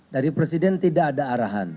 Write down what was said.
dari presiden tidak ada arahan